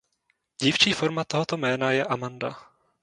Dívčí forma tohoto jména je Amanda.